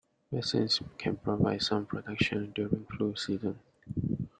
Vaccines can provide some protection during flu season.